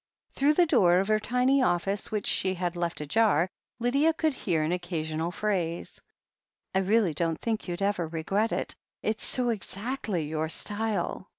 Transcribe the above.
Through the door of her tiny office, which she had left ajar, Lydia could hear an occasional phrase : "I really don't think you'd ever regret it ... it's so exactly your style.